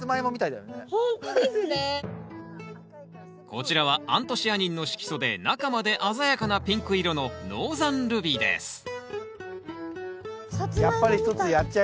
こちらはアントシアニンの色素で中まで鮮やかなピンク色のサツマイモみたい。